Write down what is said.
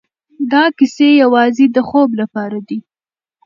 دا کيسې يوازې د خوب لپاره دي.